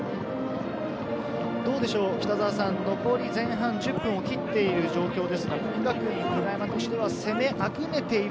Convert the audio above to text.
残り前半１０分を切っている状況ですが、國學院久我山としては攻めあぐねている。